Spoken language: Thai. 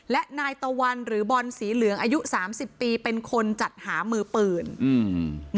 และนายตะวันหรือบอลสีเหลืองอายุสามสิบปีเป็นคนจัดหามือปืนอืม